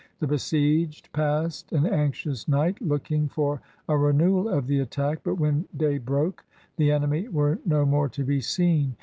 The besieged passed an anxious night, looking for a renewal of the attack. But when day broke, the enemy were no more to be seen.